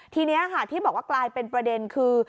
ทีนี้ค่ะที่บอกว่ากลายเป็นประเด็นคือ